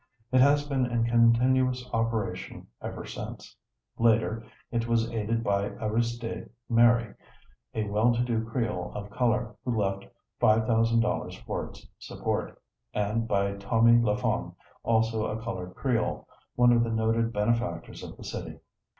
It has been in continuous operation ever since. Later, it was aided by Aristide Mary, a well to do Creole of color, who left $5,000 for its support, and by Thomy Lafon, also a colored Creole, one of the noted benefactors of the city.